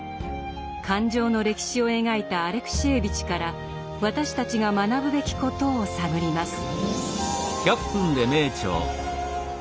感情の歴史を描いたアレクシエーヴィチから私たちが学ぶべきことを探ります。